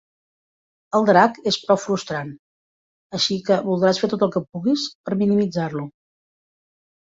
El drac es prou frustrant, així que voldràs fer tot el que puguis per minimitzar-lo.